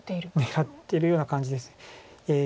狙ってるような感じです。